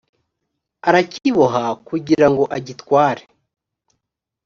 arakiboha kugira ngo agitware